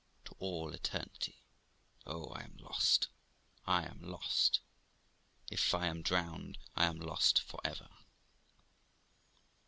to all eternity! Oh! I am lost! I am lost! If I am drowned, I am lost for ever